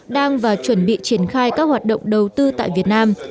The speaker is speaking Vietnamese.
đang và chuẩn bị triển khai các hoạt động đầu tư tại việt nam